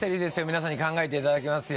皆さんに考えていただきます